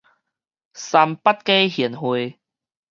三八假賢慧